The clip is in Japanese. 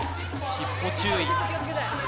尻尾注意。